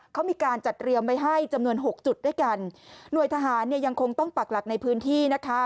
เขามีการจัดเตรียมไว้ให้จำนวนหกจุดด้วยกันหน่วยทหารเนี่ยยังคงต้องปักหลักในพื้นที่นะคะ